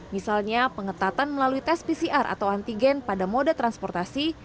misalnya pengetatan melalui tes pcr atau antigen pada moda transportasi